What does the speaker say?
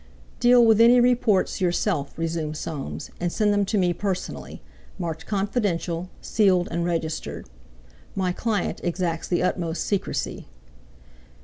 "Deal with any reports yourself," resumed Soames, "and send them to me personally, marked confidential, sealed and registered. My client exacts the utmost secrecy."